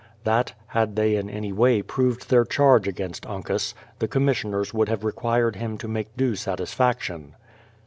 That, had they in any way proved their charge against Uncas, the commissioners would have required him to make due satis faction.